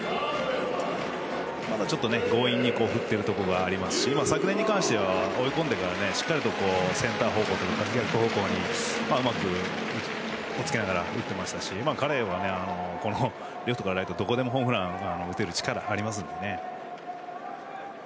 まだちょっと強引に振ってるところがありますし昨年に関しては追い込んでからしっかりとセンター方向や逆方向にうまく、おっつけて打っていましたし彼は、レフトとかライトどこでもホームランを打てる力はありますのでね。